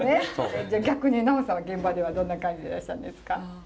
逆に奈央さんは現場ではどんな感じでいらっしゃるんですか？